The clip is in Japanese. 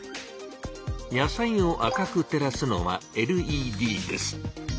野菜を赤く照らすのはＬＥＤです。